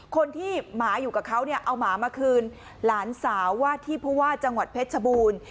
คนที่หมาอยู่กับเขาเนี่ยเอาหมามาคืนหลานสาวว่าที่ผู้ว่าจังหวัดเพชรชบูรณ์